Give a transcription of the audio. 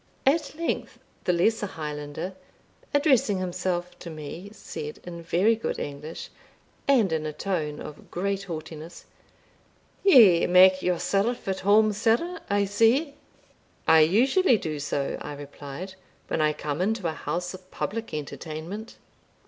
At length, the lesser Highlander, addressing himself to me said, in very good English, and in a tone of great haughtiness, "Ye make yourself at home, sir, I see." "I usually do so," I replied, "when I come into a house of public entertainment."